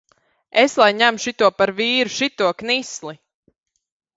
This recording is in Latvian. Es lai ņemu šito par vīru, šito knisli!